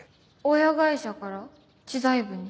親会社から知財部に？